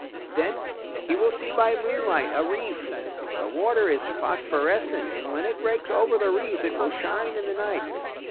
Then he will see by moonlight a reef. The water is phosphorescent, and when it breaks over the reef it will shine in the night.